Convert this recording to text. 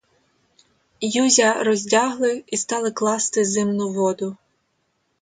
Юзя роздягли і стали класти зимну воду.